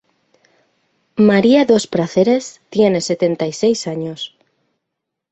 María dos Prazeres tiene setenta y seis años.